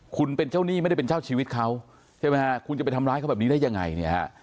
คุณเป็นเจ้าหนี้ไม่ได้เป็นเจ้าชีวิตเขาใช่ไหมฮะคุณจะไปทำร้ายเขาแบบนี้ได้ยังไงเนี่ยฮะ